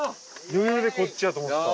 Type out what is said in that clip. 余裕でこっちやと思ってた。